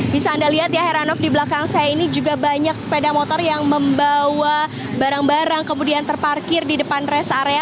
bisa anda lihat ya heranov di belakang saya ini juga banyak sepeda motor yang membawa barang barang kemudian terparkir di depan res area